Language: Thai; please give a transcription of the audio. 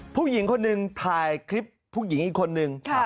ผู้หญิงคนหนึ่งถ่ายคลิปผู้หญิงอีกคนนึง